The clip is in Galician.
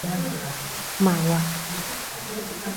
Mágoa.